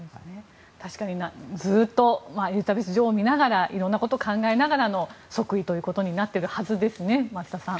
確かに、ずっとエリザベス女王を見ながらいろんなことを考えながらの即位となっているはずですね増田さん。